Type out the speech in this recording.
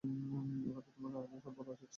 এই কথা তোমাকে আগেই সব বলা উচিত ছিল স্যান্ডি।